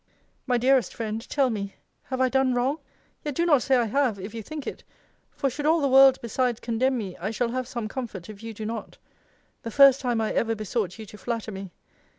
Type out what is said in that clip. My dearest friend, tell me, have I done wrong? Yet do not say I have, if you think it; for should all the world besides condemn me, I shall have some comfort, if you do not. The first time I ever besought you to flatter me.